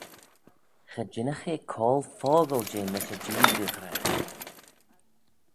Cha jeanagh eh coayl fockle jeh ny ta Jee dy ghra.